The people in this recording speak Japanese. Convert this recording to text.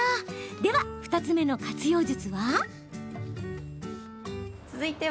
では２つ目の活用術は？